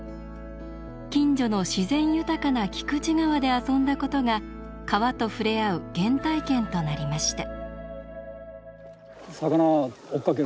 近所の自然豊かな菊池川で遊んだことが川と触れ合う原体験となりました。